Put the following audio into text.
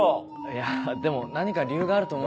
いやでも何か理由があると。